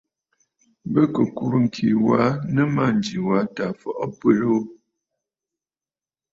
Bɨ kɨ kùrə̂ ŋ̀kì a nɨ mânjì was tǎ fɔʼɔ abərə ya ghu.